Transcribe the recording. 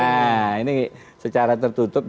nah ini secara tertutup